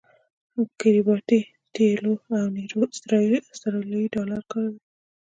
کیریباټی، ټیوالو او نیرو اسټرالیایي ډالر کاروي.